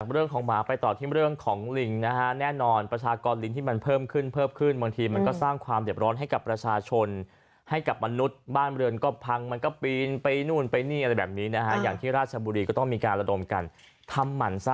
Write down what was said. เรื่องของหมาไปต่อที่เรื่องของลิงนะฮะแน่นอนประชากรลิงที่มันเพิ่มขึ้นเพิ่มขึ้นบางทีมันก็สร้างความเด็บร้อนให้กับประชาชนให้กับมนุษย์บ้านเรือนก็พังมันก็ปีนไปนู่นไปนี่อะไรแบบนี้นะฮะอย่างที่ราชบุรีก็ต้องมีการระดมกันทำหมั่นไส้